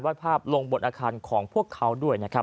ภาพลงบนอาคารของพวกเขาด้วยนะครับ